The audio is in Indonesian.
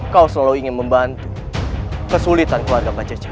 kau selalu ingin membantu kesulitan keluarga pak jeja